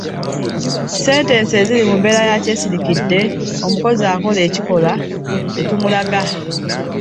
Sentensi eziri mu mbeera ya kyesirikidde omukozi akola ekikolwa tetumulaga.